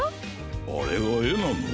あれがえなの？